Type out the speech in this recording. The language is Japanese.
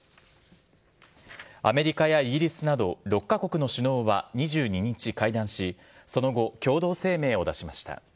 アメリカやイギリスなど６か国の首脳は２２日、会談し、その後、共同声明を出しました。